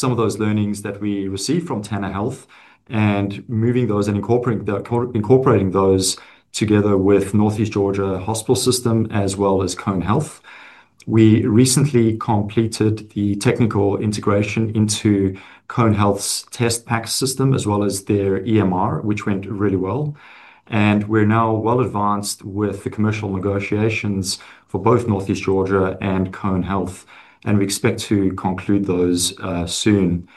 Some of those learnings that we received from Tanner Health and moving those and incorporating those together with Northeast Georgia Health System as well as Cone Health. We recently completed the technical integration into Cone Health's test PACS system as well as their EMR, which went really well. We're now well advanced with the commercial negotiations for both Northeast Georgia and Cone Health, and we expect to conclude those soon.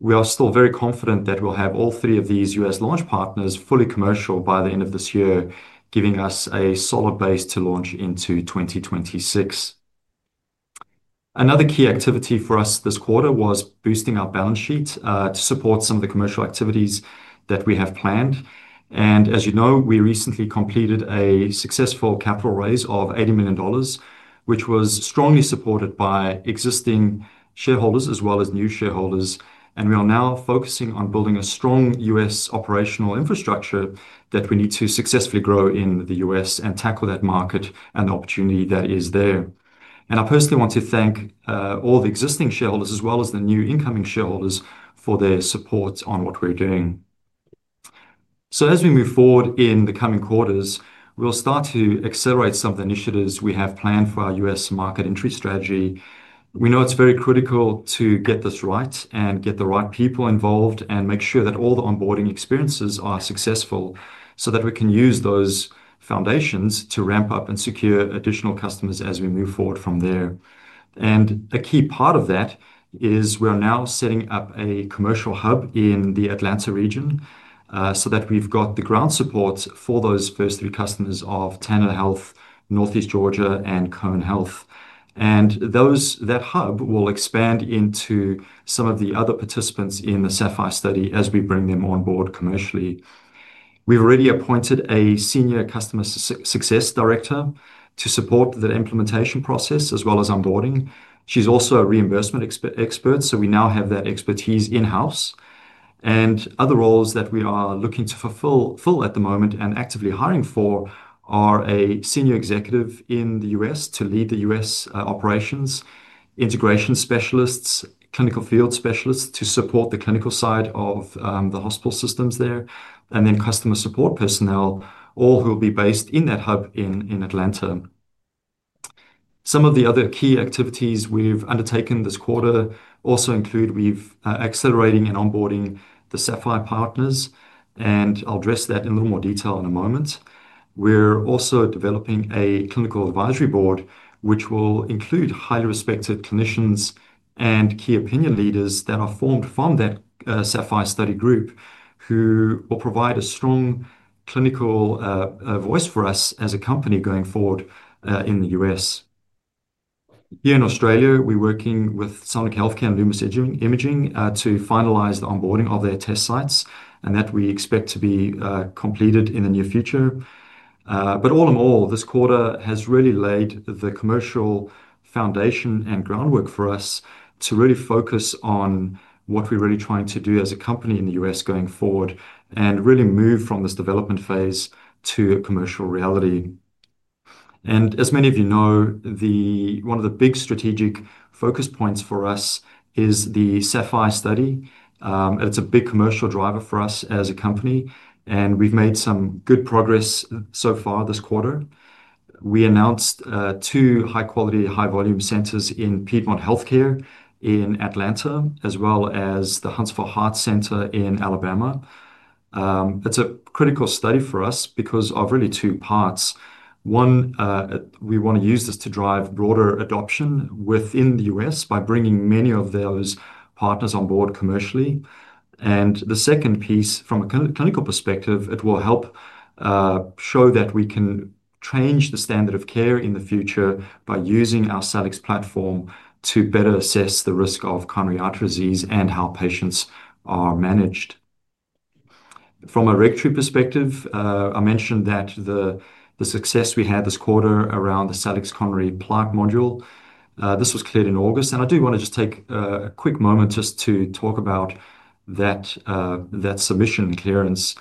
We are still very confident that we'll have all three of these U.S. launch partners fully commercial by the end of this year, giving us a solid base to launch into 2026. Another key activity for us this quarter was boosting our balance sheet to support some of the commercial activities that we have planned. As you know, we recently completed a successful capital raise of $80 million, which was strongly supported by existing shareholders as well as new shareholders. We are now focusing on building a strong U.S. operational infrastructure that we need to successfully grow in the U.S. and tackle that market and the opportunity that is there. I personally want to thank all the existing shareholders as well as the new incoming shareholders for their support on what we're doing. As we move forward in the coming quarters, we'll start to accelerate some of the initiatives we have planned for our U.S. market entry strategy. We know it's very critical to get this right and get the right people involved and make sure that all the onboarding experiences are successful so that we can use those foundations to ramp up and secure additional customers as we move forward from there. A key part of that is we're now setting up a commercial hub in the Atlanta region so that we've got the ground support for those first three customers of Tanner Health, Northeast Georgia, and Cone Health. That hub will expand into some of the other participants in the SAPPHIRE study as we bring them on board commercially. We've already appointed a Senior Customer Success Director to support the implementation process as well as onboarding. She's also a reimbursement expert, so we now have that expertise in-house. Other roles that we are looking to fulfill at the moment and actively hiring for are a senior executive in the U.S. to lead the U.S. operations, integration specialists, clinical field specialists to support the clinical side of the hospital systems there, and then customer support personnel, all who will be based in that hub in Atlanta. Some of the other key activities we've undertaken this quarter also include we've accelerated and onboarded the SAPPHIRE partners, and I'll address that in a little more detail in a moment. We're also developing a clinical advisory board, which will include highly respected clinicians and key opinion leaders that are formed from that SAPPHIRE study group, who will provide a strong clinical voice for us as a company going forward in the U.S. Here in Australia, we're working with Sonic Healthcare and Lumus Imaging to finalize the onboarding of their test sites, and that we expect to be completed in the near future. All in all, this quarter has really laid the commercial foundation and groundwork for us to really focus on what we're really trying to do as a company in the U.S. going forward and really move from this development phase to a commercial reality. As many of you know, one of the big strategic focus points for us is the SAPPHIRE study. It's a big commercial driver for us as a company, and we've made some good progress so far this quarter. We announced two high-quality, high-volume centers in Piedmont Healthcare in Atlanta, as well as the Huntsville Heart Center in Alabama. It's a critical study for us because of really two parts. One, we want to use this to drive broader adoption within the U.S. by bringing many of those partners on board commercially. The second piece, from a clinical perspective, it will help show that we can change the standard of care in the future by using our Salix platform to better assess the risk of coronary artery disease and how patients are managed. From a regulatory perspective, I mentioned that the success we had this quarter around the Salix Coronary Plaque module. This was cleared in August, and I do want to just take a quick moment just to talk about that submission and clearance.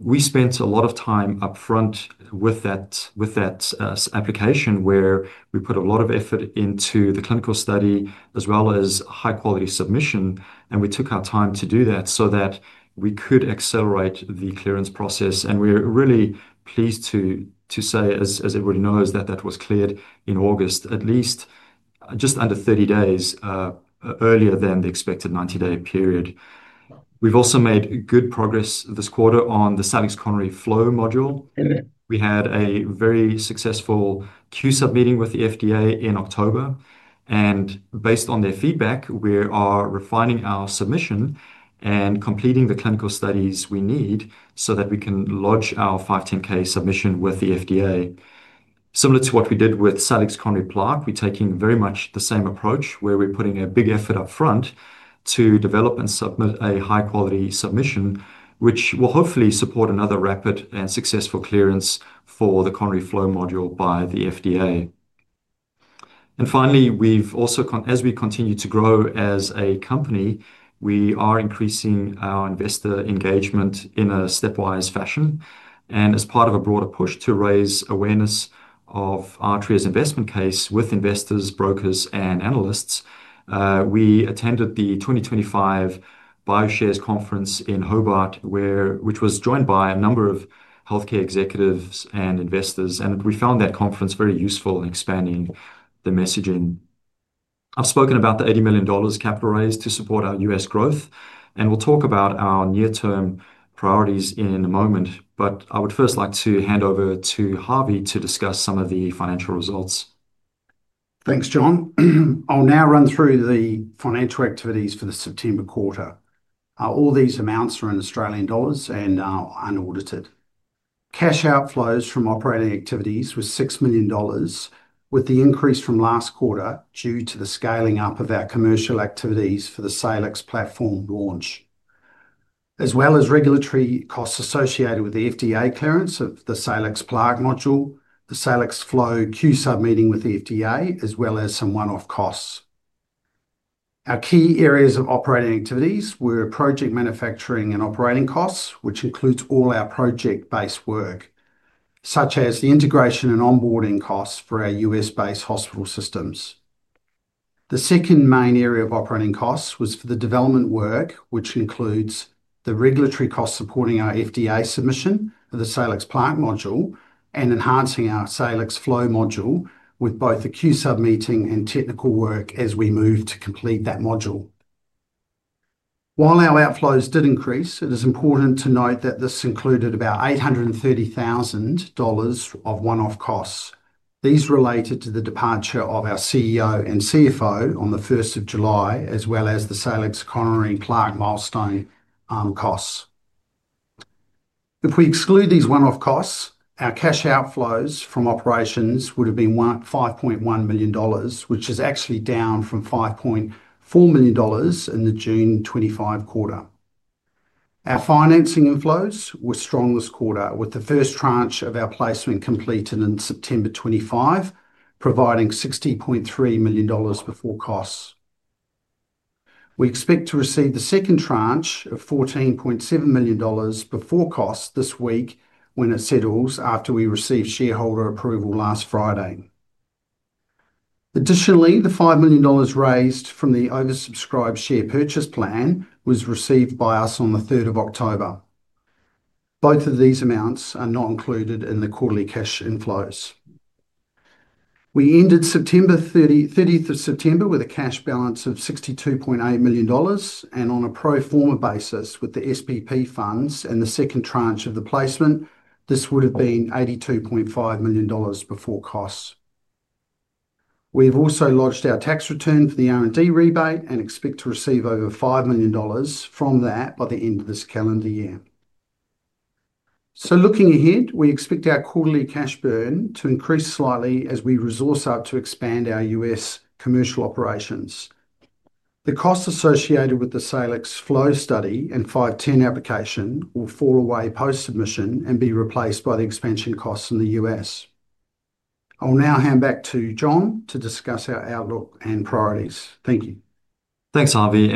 We spent a lot of time upfront with that application where we put a lot of effort into the clinical study as well as high-quality submission, and we took our time to do that so that we could accelerate the clearance process. We're really pleased to say, as everybody knows, that that was cleared in August, at least just under 30 days earlier than the expected 90-day period. We've also made good progress this quarter on the Salix Coronary Flow module. We had a very successful Q-sub meeting with the FDA in October, and based on their feedback, we are refining our submission and completing the clinical studies we need so that we can lodge our 510(k) submission with the FDA. Similar to what we did with Salix Coronary Plaque, we're taking very much the same approach where we're putting a big effort upfront to develop and submit a high-quality submission, which will hopefully support another rapid and successful clearance for the Coronary Flow module by the FDA. Finally, as we continue to grow as a company, we are increasing our investor engagement in a stepwise fashion. As part of a broader push to raise awareness of Artrya's investment case with investors, brokers, and analysts, we attended the 2025 BioShares conference in Hobart, which was joined by a number of healthcare executives and investors, and we found that conference very useful in expanding the messaging. I've spoken about the $80 million capital raise to support our U.S. growth, and we'll talk about our near-term priorities in a moment, but I would first like to hand over to Harvey to discuss some of the financial results. Thanks, John. I'll now run through the financial activities for the September quarter. All these amounts are in Australian dollars and are unaudited. Cash outflows from operating activities were $6 million, with the increase from last quarter due to the scaling up of our commercial activities for the Salix platform launch, as well as regulatory costs associated with the FDA clearance of the Salix Coronary Plaque module, the Salix Coronary Flow Q-sub meeting with the FDA, as well as some one-off costs. Our key areas of operating activities were project manufacturing and operating costs, which includes all our project-based work, such as the integration and onboarding costs for our U.S.-based hospital systems. The second main area of operating costs was for the development work, which includes the regulatory costs supporting our FDA submission of the Salix Coronary Plaque module and enhancing our Salix Coronary Flow module with both the Q-sub meeting and technical work as we move to complete that module. While our outflows did increase, it is important to note that this included about $830,000 of one-off costs. These related to the departure of our CEO and CFO on the 1st of July, as well as the Salix Coronary Plaque milestone costs. If we exclude these one-off costs, our cash outflows from operations would have been $5.1 million, which is actually down from $5.4 million in the June 2025 quarter. Our financing inflows were strong this quarter, with the first tranche of our placement completed on September 2025, providing $60.3 million before costs. We expect to receive the second tranche of $14.7 million before costs this week when it settles after we received shareholder approval last Friday. Additionally, the $5 million raised from the oversubscribed share purchase plan was received by us on the 3rd of October. Both of these amounts are not included in the quarterly cash inflows. We ended September 30th with a cash balance of $62.8 million, and on a pro forma basis with the SPP funds and the second tranche of the placement, this would have been $82.5 million before costs. We have also lodged our tax return for the R&D rebate and expect to receive over $5 million from that by the end of this calendar year. Looking ahead, we expect our quarterly cash burn to increase slightly as we resource up to expand our U.S. commercial operations. The costs associated with the Salix Coronary Flow study and 510(k) application will fall away post-submission and be replaced by the expansion costs in the U.S. I will now hand back to John to discuss our outlook and priorities. Thank you. Thanks, Harvey.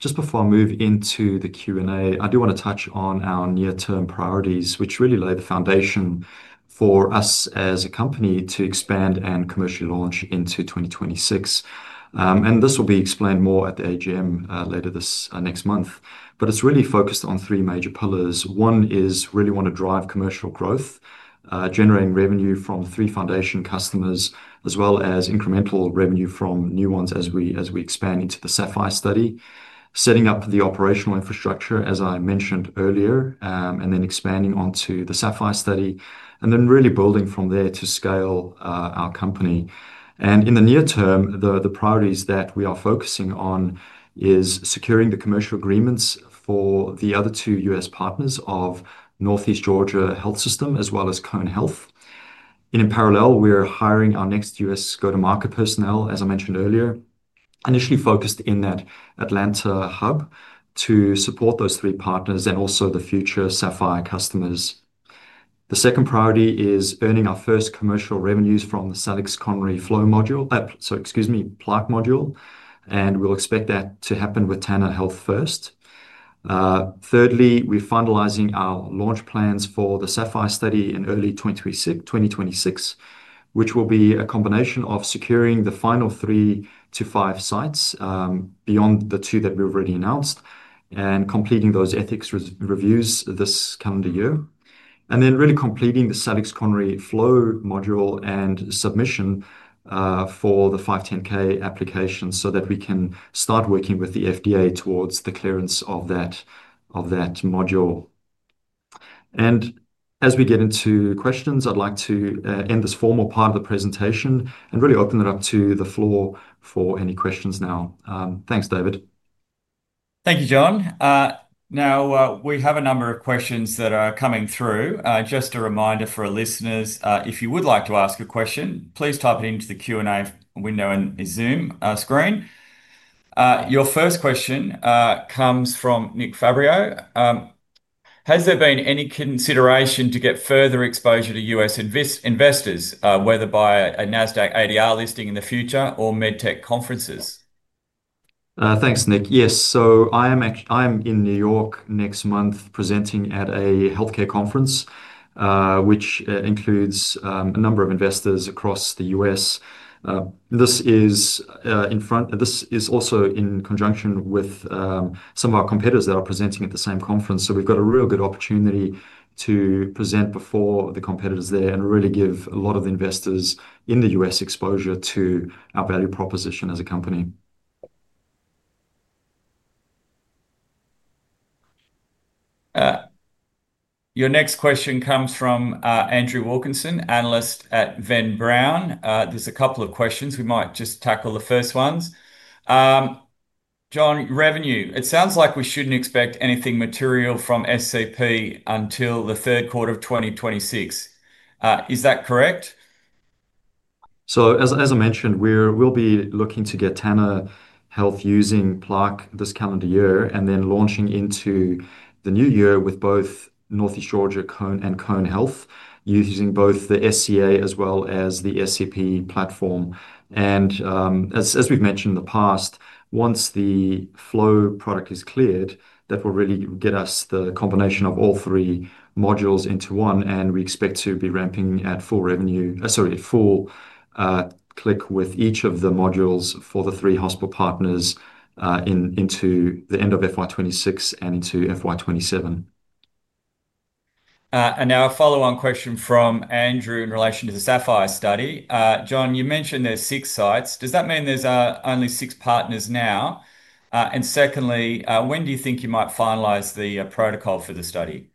Just before I move into the Q&A, I do want to touch on our near-term priorities, which really lay the foundation for us as a company to expand and commercially launch into 2026. This will be explained more at the AGM later this next month. It's really focused on three major pillars. One is we really want to drive commercial growth, generating revenue from three foundation customers, as well as incremental revenue from new ones as we expand into the SAPPHIRE study, setting up the operational infrastructure, as I mentioned earlier, and then expanding onto the SAPPHIRE study, and then really building from there to scale our company. In the near term, the priorities that we are focusing on are securing the commercial agreements for the other two U.S. partners of Northeast Georgia Health System, as well as Cone Health. In parallel, we're hiring our next U.S. go-to-market personnel, as I mentioned earlier, initially focused in that Atlanta hub to support those three partners and also the future SAPPHIRE customers. The second priority is earning our first commercial revenues from the Salix Coronary Plaque module, and we'll expect that to happen with Tanner Health first. Thirdly, we're finalizing our launch plans for the SAPPHIRE study in early 2026, which will be a combination of securing the final three to five sites beyond the two that we've already announced and completing those ethics reviews this calendar year, and then really completing the Salix Coronary Flow module and submission for the 510(k) application so that we can start working with the FDA towards the clearance of that module. As we get into questions, I'd like to end this formal part of the presentation and really open it up to the floor for any questions now. Thanks, David. Thank you, John. Now, we have a number of questions that are coming through. Just a reminder for our listeners, if you would like to ask a question, please type it into the Q&A window on the Zoom screen. Your first question comes from Nick Fabrio. Has there been any consideration to get further exposure to U.S. investors, whether by a NASDAQ ADR listing in the future or med tech conferences? Thanks, Nick. Yes. I am in New York next month presenting at a healthcare conference, which includes a number of investors across the U.S. This is also in conjunction with some of our competitors that are presenting at the same conference. We have a real good opportunity to present before the competitors there and really give a lot of the investors in the U.S. exposure to our value proposition as a company. Your next question comes from Andrew Wilkinson, analyst at Venn Brown. There's a couple of questions. We might just tackle the first ones. John, revenue, it sounds like we shouldn't expect anything material from Salix Coronary Plaque until the third quarter of 2026. Is that correct? So as I mentioned, we'll be looking to get Tanner Health using plaque this calendar year, then launching into the new year with both Northeast Georgia and Cone Health using both the Salix Coronary Anatomy as well as the Salix Coronary Plaque platform. As we've mentioned in the past, once the flow product is cleared, that will really get us the combination of all three modules into one, and we expect to be ramping at full revenue, sorry, at full click with each of the modules for the three hospital partners into the end of FY2026 and into FY2027. A follow-on question from Andrew in relation to the SAPPHIRE study. John, you mentioned there's six sites. Does that mean there's only six partners now? Secondly, when do you think you might finalize the protocol for the study?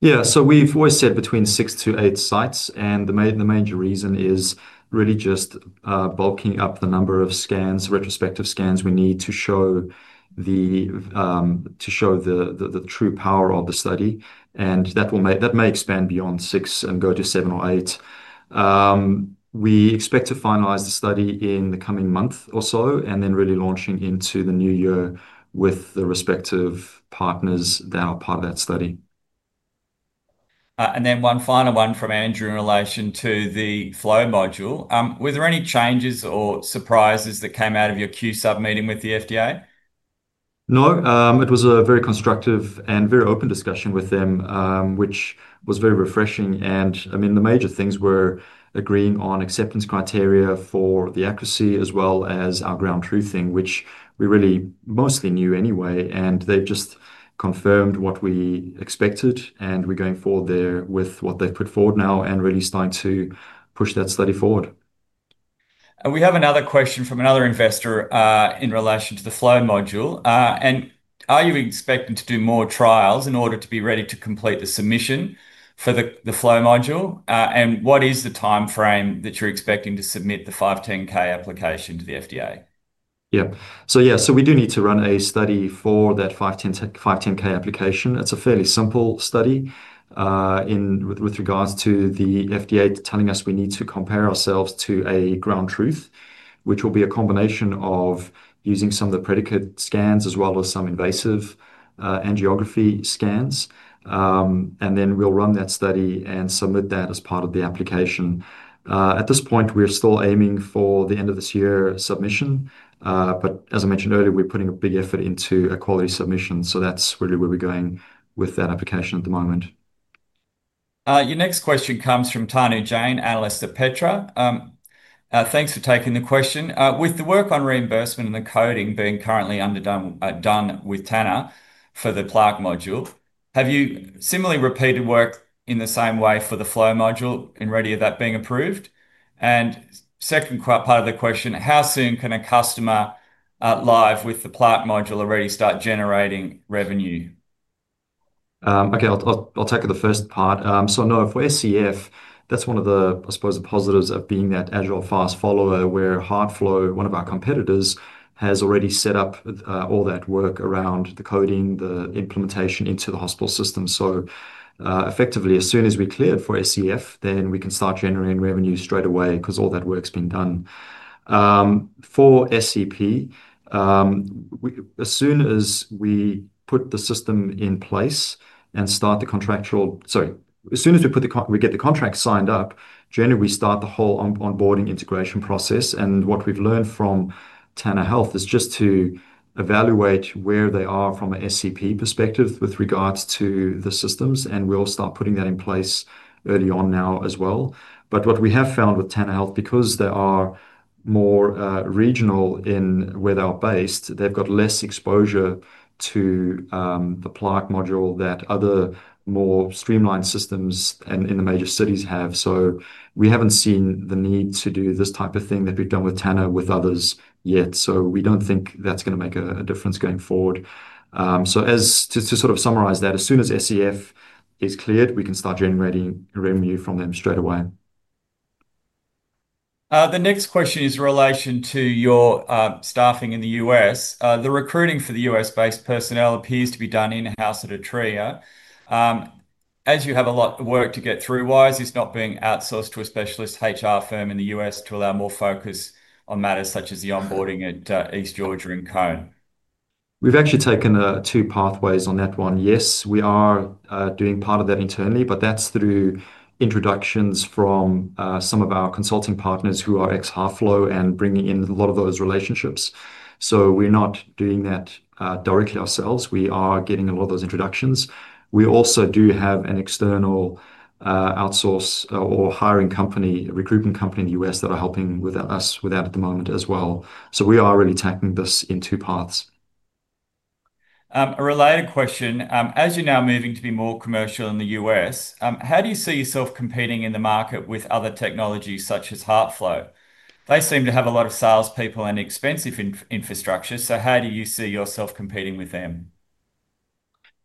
We've always said between six to eight sites, and the major reason is really just bulking up the number of scans, retrospective scans we need to show the true power of the study, and that may expand beyond six and go to seven or eight. We expect to finalize the study in the coming month or so and then really launching into the new year with the respective partners that are part of that study. One final one from Andrew in relation to the flow module. Were there any changes or surprises that came out of your Q-sub meeting with the FDA? No, it was a very constructive and very open discussion with them, which was very refreshing. The major things were agreeing on acceptance criteria for the accuracy as well as our ground truthing, which we really mostly knew anyway, and they've just confirmed what we expected. We're going forward there with what they've put forward now and really starting to push that study forward. We have another question from another investor in relation to the flow module. Are you expecting to do more trials in order to be ready to complete the submission for the flow module? What is the timeframe that you're expecting to submit the 510(k) application to the FDA? We do need to run a study for that 510(k) application. It's a fairly simple study with regards to the FDA telling us we need to compare ourselves to a ground truth, which will be a combination of using some of the predicate scans as well as some invasive angiography scans. We'll run that study and submit that as part of the application. At this point, we're still aiming for the end of this year submission, but as I mentioned earlier, we're putting a big effort into a quality submission, so that's really where we're going with that application at the moment. Your next question comes from Tanu Jane, Analyst at Petra. Thanks for taking the question. With the work on reimbursement and the coding being currently done with Tanner Health for the plaque module, have you similarly repeated work in the same way for the flow module and ready to that being approved? The second part of the question, how soon can a customer live with the plaque module already start generating revenue? Okay, I'll take the first part. No, if we're SCF, that's one of the, I suppose, the positives of being that agile fast follower where HeartFlow, one of our competitors, has already set up all that work around the coding, the implementation into the hospital system. Effectively, as soon as we are cleared for SCF, then we can start generating revenue straight away because all that work's been done. For SCP, as soon as we put the system in place and start the contractual, sorry, as soon as we get the contract signed up, generally we start the whole onboarding integration process. What we've learned from Tanner Health is just to evaluate where they are from an SCP perspective with regards to the systems, and we'll start putting that in place early on now as well. But what we have found with Tanner Health, because they are more regional in where they are based, they've got less exposure to the plaque module that other more streamlined systems in the major cities have. We haven't seen the need to do this type of thing that we've done with Tanner with others yet. We don't think that's going to make a difference going forward. To sort of summarize that, as soon as SCF is cleared, we can start generating revenue from them straight away. The next question is in relation to your staffing in the US. The recruiting for the US-based personnel appears to be done in-house at Artrya. As you have a lot of work to get through, why is this not being outsourced to a specialist HR firm in the US to allow more focus on matters such as the onboarding at Northeast Georgia Health System and Cone Health? We've actually taken the two pathways on that one. Yes, we are doing part of that internally, but that's through introductions from some of our consulting partners who are ex-HeartFlow and bringing in a lot of those relationships. We're not doing that directly ourselves. We are getting a lot of those introductions. We also do have an external outsource or hiring company, a recruitment company in the U.S. that are helping us with that at the moment as well. We are really tackling this in two paths. A related question, as you're now moving to be more commercial in the U.S., how do you see yourself competing in the market with other technologies such as HeartFlow? They seem to have a lot of salespeople and expensive infrastructure, so how do you see yourself competing with them?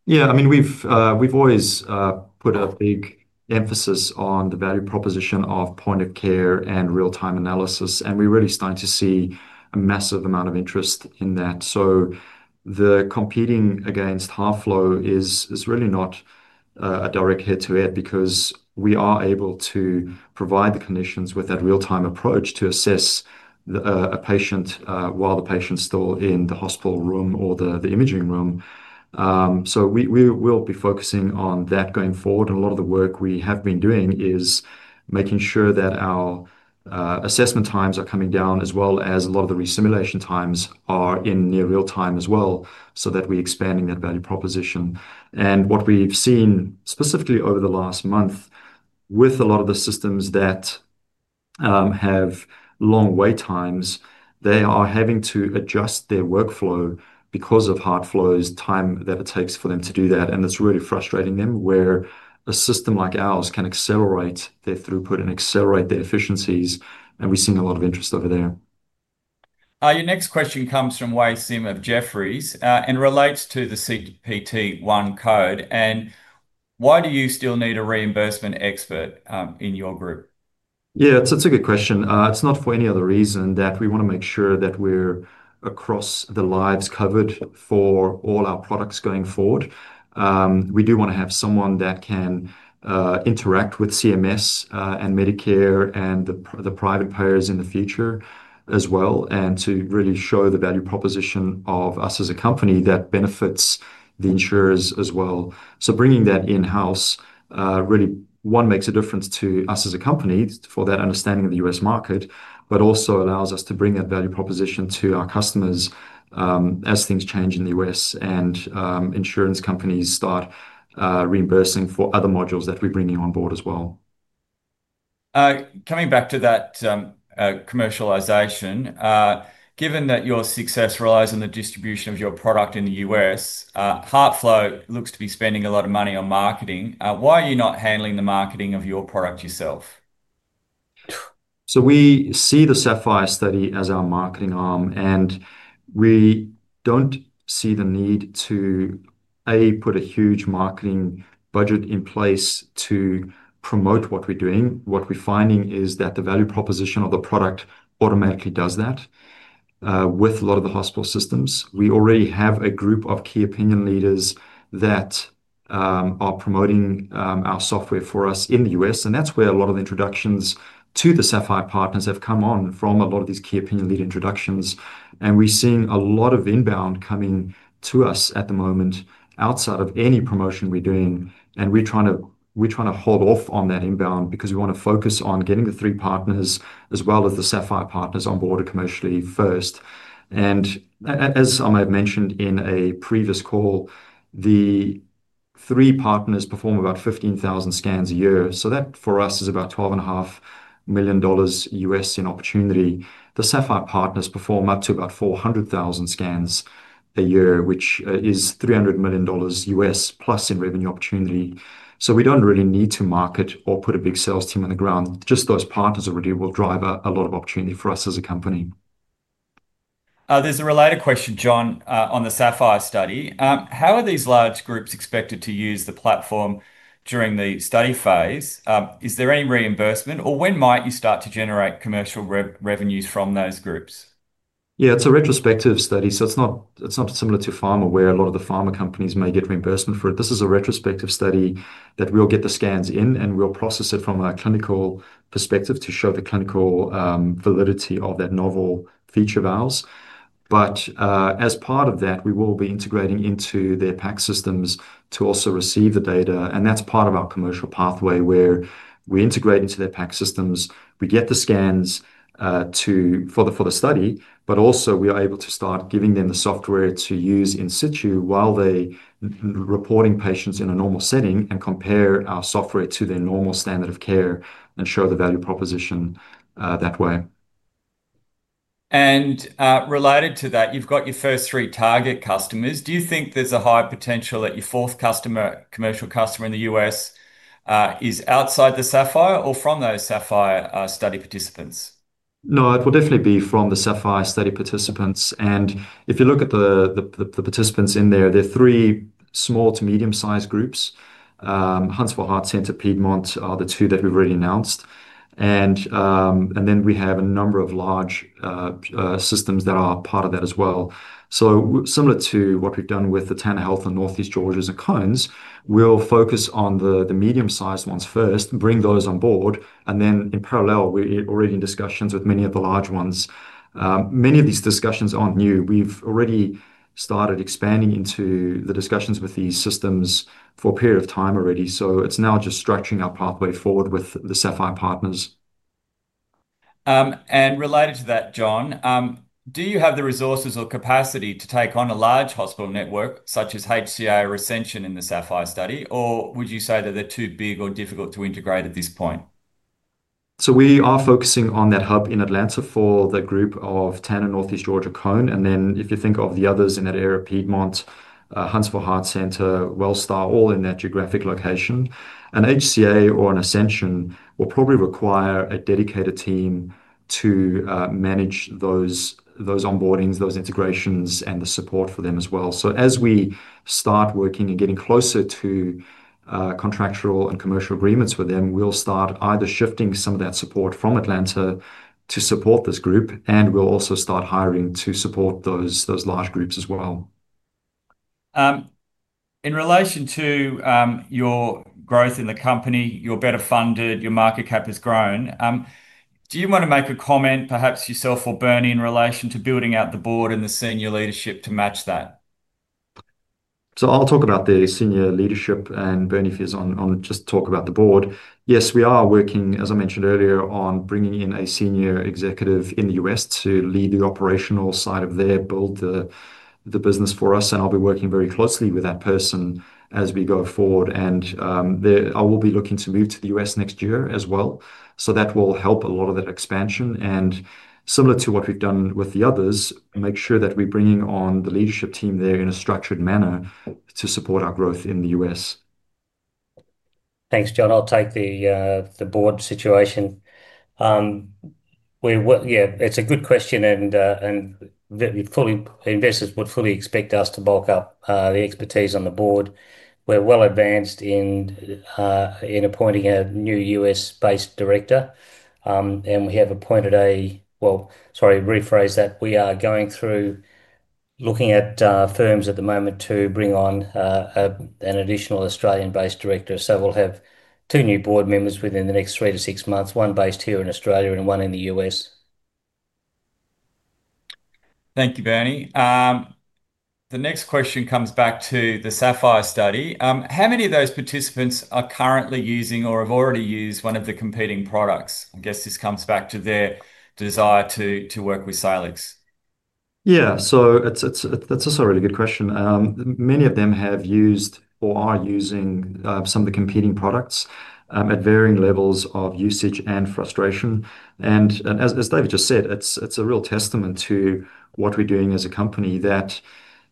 Yeah, I mean, we've always put a big emphasis on the value proposition of point of care and real-time analysis, and we're really starting to see a massive amount of interest in that. Competing against HeartFlow is really not a direct head-to-head because we are able to provide the conditions with that real-time approach to assess a patient while the patient's still in the hospital room or the imaging room. We will be focusing on that going forward, and a lot of the work we have been doing is making sure that our assessment times are coming down as well as a lot of the resimulation times are in near real-time as well, so that we're expanding that value proposition. What we've seen specifically over the last month with a lot of the systems that have long wait times, they are having to adjust their workflow because of HeartFlow's time that it takes for them to do that, and it's really frustrating them where a system like ours can accelerate their throughput and accelerate their efficiencies, and we're seeing a lot of interest over there. Your next question comes from YSim of Jefferies and relates to the CPT-1 code, and why do you still need a reimbursement expert in your group? Yeah, it's a good question. It's not for any other reason that we want to make sure that we're across the lives covered for all our products going forward. We do want to have someone that can interact with CMS and Medicare and the private payers in the future as well, and to really show the value proposition of us as a company that benefits the insurers as well. Bringing that in-house really makes a difference to us as a company for that understanding of the U.S. market, but also allows us to bring that value proposition to our customers as things change in the U.S. and insurance companies start reimbursing for other modules that we're bringing on board as well. Coming back to that commercialization, given that your success relies on the distribution of your product in the U.S., HeartFlow looks to be spending a lot of money on marketing. Why are you not handling the marketing of your product yourself? We see the SAPPHIRE study as our marketing arm, and we don't see the need to, A, put a huge marketing budget in place to promote what we're doing. What we're finding is that the value proposition of the product automatically does that with a lot of the hospital systems. We already have a group of key opinion leaders that are promoting our software for us in the U.S., and that's where a lot of the introductions to the SAPPHIRE partners have come on from a lot of these key opinion leader introductions. We're seeing a lot of inbound coming to us at the moment outside of any promotion we're doing, and we're trying to hold off on that inbound because we want to focus on getting the three partners as well as the SAPPHIRE partners on board commercially first. As I may have mentioned in a previous call, the three partners perform about 15,000 scans a year, so that for us is about $12.5 million U.S. in opportunity. The SAPPHIRE partners perform up to about 400,000 scans a year, which is $300 million U.S. plus in revenue opportunity. We don't really need to market or put a big sales team on the ground. Just those partners already will drive a lot of opportunity for us as a company. There's a related question, John, on the SAPPHIRE study. How are these large groups expected to use the platform during the study phase? Is there any reimbursement, or when might you start to generate commercial revenues from those groups? Yeah, it's a retrospective study, so it's not similar to pharma where a lot of the pharma companies may get reimbursement for it. This is a retrospective study that we'll get the scans in, and we'll process it from a clinical perspective to show the clinical validity of that novel feature of ours. As part of that, we will be integrating into their PAC systems to also receive the data, and that's part of our commercial pathway where we integrate into their PAC systems. We get the scans for the study, but also we are able to start giving them the software to use in situ while they're reporting patients in a normal setting and compare our software to their normal standard of care and show the value proposition that way. Related to that, you've got your first three target customers. Do you think there's a high potential that your fourth commercial customer in the U.S. is outside the SAPPHIRE study or from those SAPPHIRE study participants? No, it will definitely be from the SAPPHIRE study participants. If you look at the participants in there, they're three small to medium-sized groups. Huntsville Heart Center and Piedmont are the two that we've already announced. We have a number of large systems that are part of that as well. Similar to what we've done with Tanner Health and Northeast Georgia Health System and Cone Health, we'll focus on the medium-sized ones first, bring those on board, and in parallel, we're already in discussions with many of the large ones. Many of these discussions aren't new. We've already started expanding into the discussions with these systems for a period of time already. It's now just structuring our pathway forward with the SAPPHIRE partners. Related to that, John, do you have the resources or capacity to take on a large hospital network such as HCA or Ascension in the SAPPHIRE study, or would you say that they're too big or difficult to integrate at this point? We are focusing on that hub in Atlanta for the group of Tanner Health, Northeast Georgia Health System, and Cone Health, and then if you think of the others in that area, Piedmont Healthcare, Huntsville Heart Center, Wellstar, all in that geographic location. An HCA or an Ascension will probably require a dedicated team to manage those onboardings, those integrations, and the support for them as well. As we start working and getting closer to contractual and commercial agreements with them, we'll start either shifting some of that support from Atlanta to support this group, and we'll also start hiring to support those large groups as well. In relation to your growth in the company, you're better funded, your market cap has grown. Do you want to make a comment perhaps yourself or Bernie in relation to building out the board and the senior leadership to match that? I'll talk about the senior leadership, and Bernie feels on just talk about the board. Yes, we are working, as I mentioned earlier, on bringing in a senior executive in the U.S. to lead the operational side of their build, the business for us, and I'll be working very closely with that person as we go forward. I will be looking to move to the U.S. next year as well, so that will help a lot of that expansion. Similar to what we've done with the others, make sure that we're bringing on the leadership team there in a structured manner to support our growth in the U.S. Thanks, John. I'll take the board situation. It's a good question, and investors would fully expect us to bulk up the expertise on the board. We're well advanced in appointing a new US-based director, and we are going through looking at firms at the moment to bring on an additional Australian-based director. We'll have two new board members within the next three to six months, one based here in Australia and one in the US. Thank you, Bernie. The next question comes back to the SAPPHIRE study. How many of those participants are currently using or have already used one of the competing products? I guess this comes back to their desire to work with Salix. Yeah, so that's also a really good question. Many of them have used or are using some of the competing products at varying levels of usage and frustration. As David just said, it's a real testament to what we're doing as a company that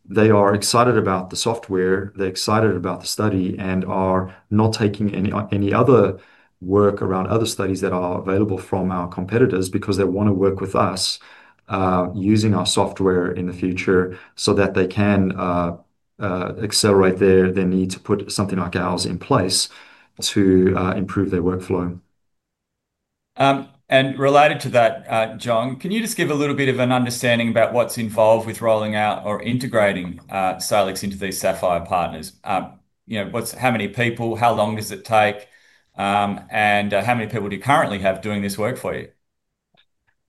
they are excited about the software, they're excited about the study, and are not taking any other work around other studies that are available from our competitors because they want to work with us using our software in the future so that they can accelerate their need to put something like ours in place to improve their workflow. Related to that, John, can you just give a little bit of an understanding about what's involved with rolling out or integrating Salix into these SAPPHIRE partners? You know, how many people, how long does it take, and how many people do you currently have doing this work for you?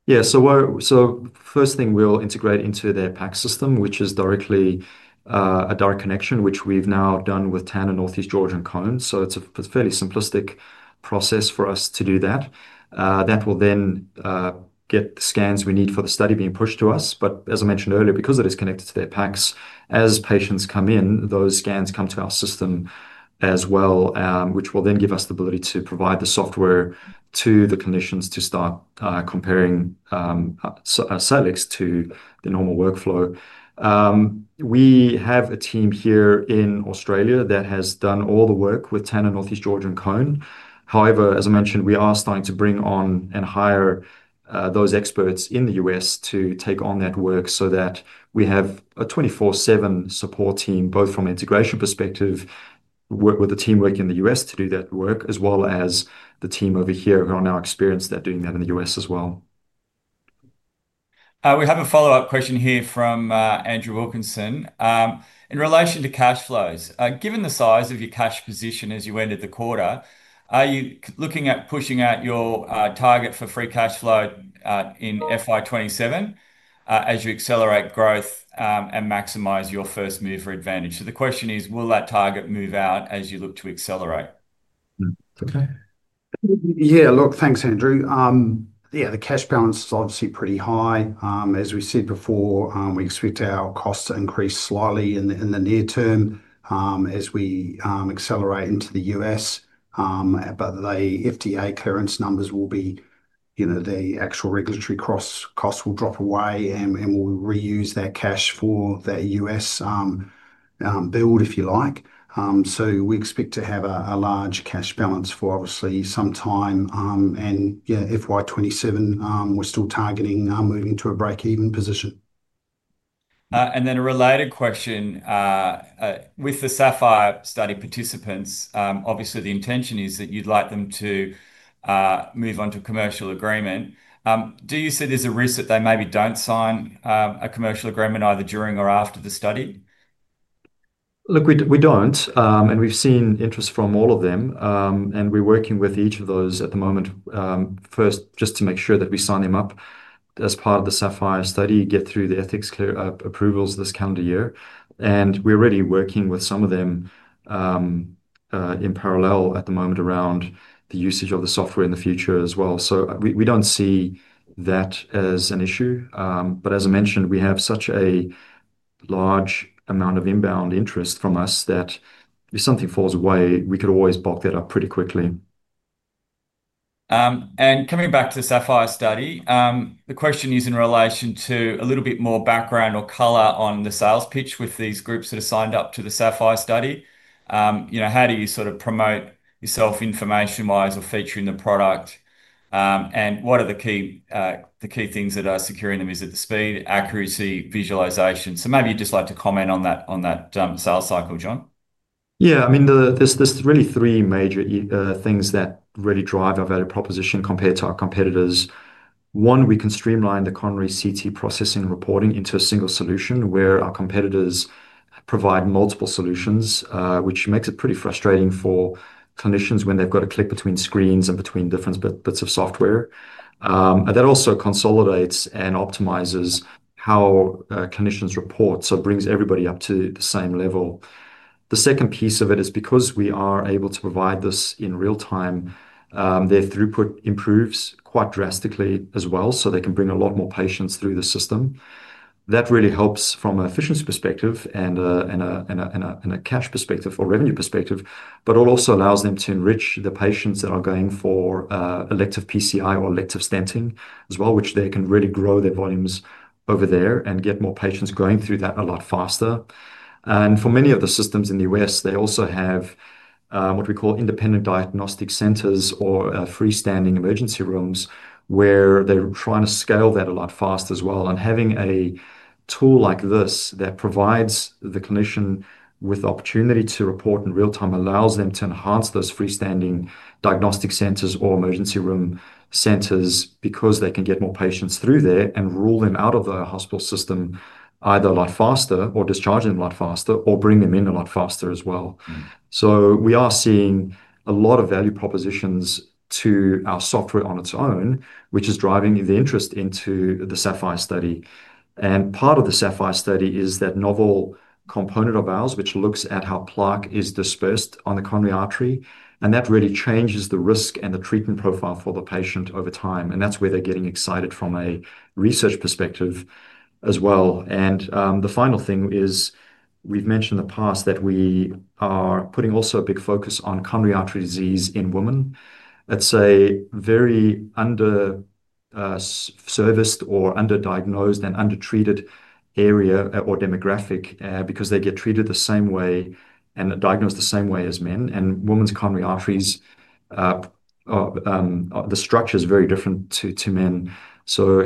Yeah, so first thing we'll integrate into their PACS system, which is a direct connection, which we've now done with Tanner Health, Northeast Georgia Health System, and Cone Health. It's a fairly simplistic process for us to do that. That will then get the scans we need for the study being pushed to us. As I mentioned earlier, because it is connected to their PACS, as patients come in, those scans come to our system as well, which will then give us the ability to provide the software to the clinicians to start comparing Salix to the normal workflow. We have a team here in Australia that has done all the work with Tanner Health, Northeast Georgia Health System, and Cone Health. However, as I mentioned, we are starting to bring on and hire those experts in the U.S. to take on that work so that we have a 24/7 support team, both from an integration perspective, with the team working in the U.S. to do that work, as well as the team over here who are now experienced at doing that in the U.S. as well. We have a follow-up question here from Andrew Wilkinson in relation to cash flows. Given the size of your cash position as you ended the quarter, are you looking at pushing out your target for free cash flow in FY2027 as you accelerate growth and maximize your first mover advantage? The question is, will that target move out as you look to accelerate? Yeah, look, thanks, Andrew. The cash balance is obviously pretty high. As we said before, we expect our costs to increase slightly in the near term as we accelerate into the U.S., but the FDA clearance numbers will be, you know, the actual regulatory costs will drop away and we'll reuse that cash for that U.S. build, if you like. We expect to have a large cash balance for obviously some time. FY2027, we're still targeting moving to a break-even position. With the SAPPHIRE study participants, obviously, the intention is that you'd like them to move on to a commercial agreement. Do you see there's a risk that they maybe don't sign a commercial agreement either during or after the study? Look, we don't, and we've seen interest from all of them, and we're working with each of those at the moment, first just to make sure that we sign them up as part of the SAPPHIRE study, get through the ethics approvals this calendar year. We're already working with some of them in parallel at the moment around the usage of the software in the future as well. We don't see that as an issue, but as I mentioned, we have such a large amount of inbound interest from us that if something falls away, we could always bulk that up pretty quickly. Coming back to the SAPPHIRE study, the question is in relation to a little bit more background or color on the sales pitch with these groups that have signed up to the SAPPHIRE study. How do you sort of promote yourself information-wise or feature in the product? What are the key things that are securing them? Is it the speed, accuracy, visualization? Maybe you'd just like to comment on that sales cycle, John. Yeah, I mean, there's really three major things that really drive our value proposition compared to our competitors. One, we can streamline the coronary CT processing and reporting into a single solution where our competitors provide multiple solutions, which makes it pretty frustrating for clinicians when they've got to click between screens and between different bits of software. That also consolidates and optimizes how clinicians report, so it brings everybody up to the same level. The second piece of it is because we are able to provide this in real time, their throughput improves quite drastically as well, so they can bring a lot more patients through the system. That really helps from an efficiency perspective and a cash perspective or revenue perspective, but it also allows them to enrich the patients that are going for elective PCI or elective stenting as well, which they can really grow their volumes over there and get more patients going through that a lot faster. For many of the systems in the U.S., they also have what we call independent diagnostic centers or freestanding emergency rooms where they're trying to scale that a lot fast as well. Having a tool like this that provides the clinician with the opportunity to report in real time allows them to enhance those freestanding diagnostic centers or emergency room centers because they can get more patients through there and rule them out of the hospital system either a lot faster or discharge them a lot faster or bring them in a lot faster as well. We are seeing a lot of value propositions to our software on its own, which is driving the interest into the SAPPHIRE study. Part of the SAPPHIRE study is that novel component of ours, which looks at how plaque is dispersed on the coronary artery, and that really changes the risk and the treatment profile for the patient over time. That's where they're getting excited from a research perspective as well. The final thing is we've mentioned in the past that we are putting also a big focus on coronary artery disease in women. It's a very underserviced or underdiagnosed and undertreated area or demographic because they get treated the same way and diagnosed the same way as men. Women's coronary arteries, the structure is very different to men.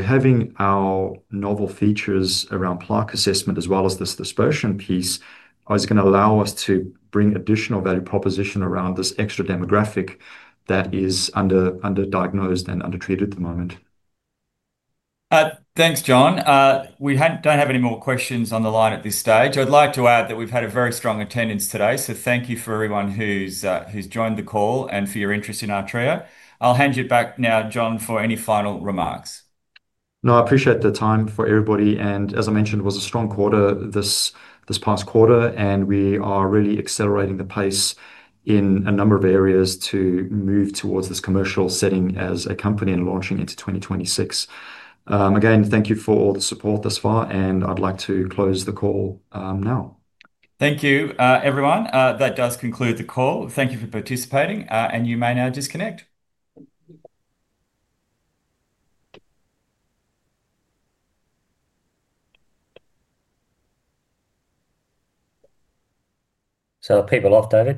Having our novel features around plaque assessment as well as this dispersion piece is going to allow us to bring additional value proposition around this extra demographic that is underdiagnosed and undertreated at the moment. Thanks, John. We don't have any more questions on the line at this stage. I'd like to add that we've had a very strong attendance today, so thank you for everyone who's joined the call and for your interest in Artrya. I'll hand you back now, John, for any final remarks. I appreciate the time for everybody. As I mentioned, it was a strong quarter this past quarter, and we are really accelerating the pace in a number of areas to move towards this commercial setting as a company and launching into 2026. Thank you for all the support thus far, and I'd like to close the call now. Thank you, everyone. That does conclude the call. Thank you for participating, and you may now disconnect. Thinking about that.